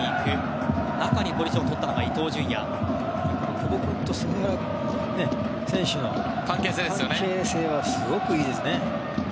久保君と菅原選手の関係性がすごくいいですね。